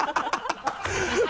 ハハハ